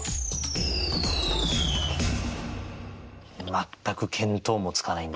全く見当もつかないんですが。